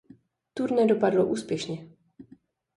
Turné dopadlo úspěšně.